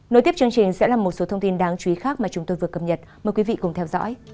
nội tiếp chương trình sẽ là một số thông tin đáng chú ý khác mà chúng tôi vừa cập nhật mời quý vị cùng theo dõi